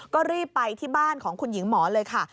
ก็รีบไปที่บ้านของคุณหญิงหมอเลยค่ะ